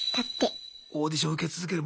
オーディション受け続ける毎日。